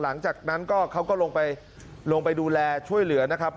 หลังจากนั้นก็เขาก็ลงไปลงไปดูแลช่วยเหลือนะครับ